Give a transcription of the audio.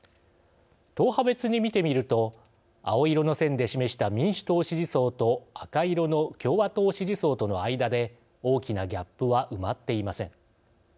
党派別に見てみると青色の線で示した民主党支持層と赤色の共和党支持層との間で大きなギャップは埋まっていません。